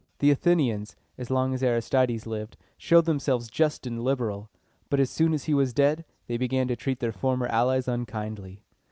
The Athenians, as long as Aristides lived, showed themselves just and liberal; but as soon as he was dead, they began to treat their former allies unkindly.